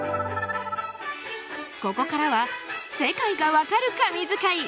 ここからは世界がわかる神図解